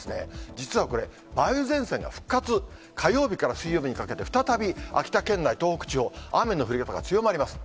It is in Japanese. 実はこれ、梅雨前線が復活、火曜日から水曜日にかけて、再び秋田県内、東北地方、雨の降り方が強まります。